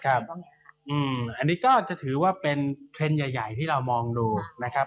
อันนี้ก็จะถือว่าเป็นเทรนด์ใหญ่ที่เรามองดูนะครับ